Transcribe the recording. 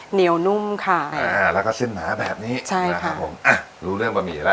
เหนียวนุ่มค่ะ